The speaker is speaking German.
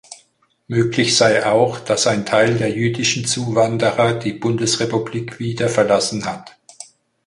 Möglich sei auch, dass ein Teil der jüdischen Zuwanderer die Bundesrepublik wieder verlassen hat.